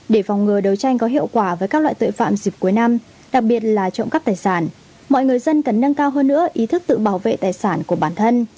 để phòng ngừa đấu tranh có hiệu quả với các loại tội phạm dịp cuối năm đặc biệt là trộm cắp tài sản mọi người dân cần nâng cao hơn nữa ý thức tự bảo vệ tài sản của bản thân